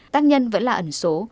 tác nhân vẫn là ẩn số